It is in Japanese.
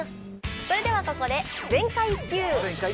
それではここで「全開Ｑ」。